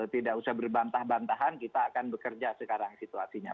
tidak usah berbantah bantahan kita akan bekerja sekarang situasinya